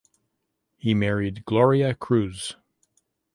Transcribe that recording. He married Gloria Cruz.